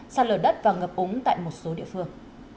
sát lở đất và ngập úng tại một số địa phương